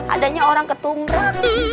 adanya orang ketumbrak